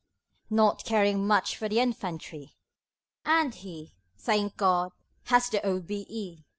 (Not caring much for the Infantry.) And he thank God! has the O.B.E.